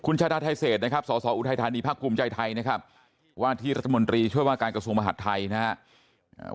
คุณชาดาไทเศษสอุทัยธานีพคุมใจไทว่าที่รัฐมนตรีช่วยว่าการกระทรวงมหัสไทยนะครับ